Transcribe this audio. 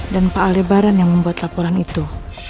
dan pak aldebaran yang membuat laporan itu